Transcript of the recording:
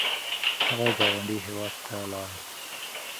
هغه ګاونډي هیواد ته لاړ